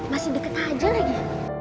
masih deket aja lagi